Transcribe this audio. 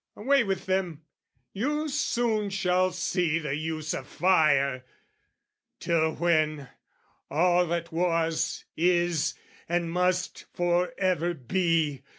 Away with them You soon shall see the use of fire! Till when, All that was, is; and must for ever be.